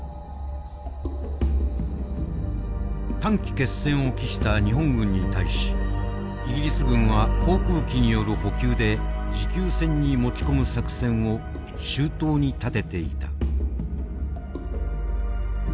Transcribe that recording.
短期決戦を期した日本軍に対しイギリス軍は航空機による補給で持久戦に持ち込む作戦を周到に立てていた。